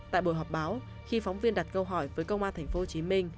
tại buổi họp báo khi phóng viên đặt câu hỏi với công an tp hcm